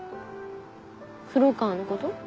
黒川のこと？